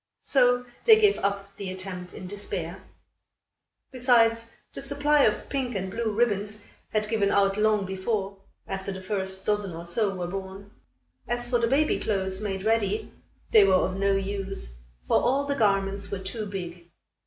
So they gave up the attempt in despair. Besides, the supply of pink and blue ribbons had given out long before, after the first dozen or so were born. As for the baby clothes made ready, they were of no use, for all the garments were too big.